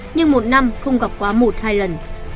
nhưng một năm không gặp quá một hai lần